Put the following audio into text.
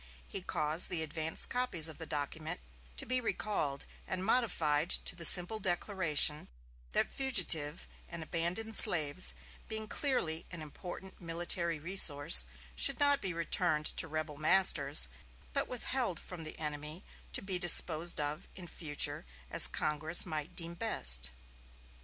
He caused the advance copies of the document to be recalled and modified to the simple declaration that fugitive and abandoned slaves, being clearly an important military resource, should not be returned to rebel masters, but withheld from the enemy to be disposed of in future as Congress might deem best.